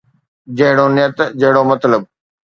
جهڙو نيت ، جهڙو مطلب